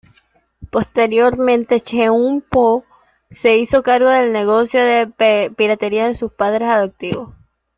Posteriormente Cheung Po se hizo cargo del negocio de piratería de sus padres adoptivos.